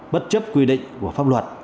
bất chấp quy định của pháp luật